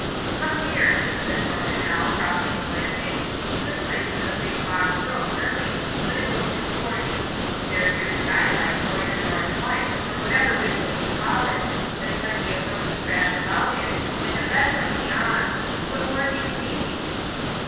"Come here," said Torpenhow, crossing the landing. "This place is a big box room really, but it will do for you. There's your skylight, or your north light, or whatever window you call it, and plenty of room to thrash about in, and a bedroom beyond. What more do you need?"